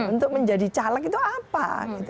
untuk menjadi caleg itu apa